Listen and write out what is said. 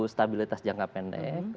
stabilitas jangka pendek